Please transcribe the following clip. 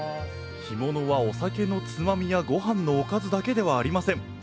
干物はお酒のつまみやごはんのおかずだけではありません！